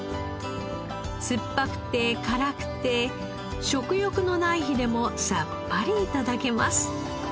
酸っぱくて辛くて食欲のない日でもさっぱり頂けます。